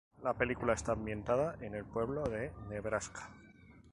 La película está ambientada en un pueblo de Nebraska.